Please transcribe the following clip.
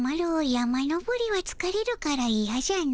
山登りはつかれるからいやじゃの。